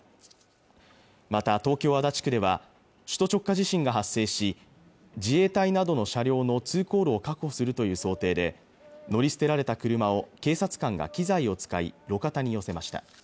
また東京・足立区では首都直下地震が発生し自衛隊などの車両の通行路を確保するという想定で乗り捨てられた車を警察官が機材を使い路肩に寄せました